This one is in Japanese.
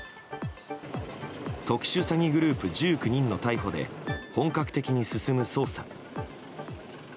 特殊詐欺グループ１９人の逮捕で本格的に進む捜査。